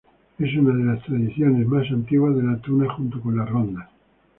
Es una de las tradiciones más antiguas de la Tuna junto con las Rondas.